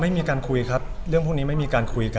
มีการคุยครับเรื่องพวกนี้ไม่มีการคุยกัน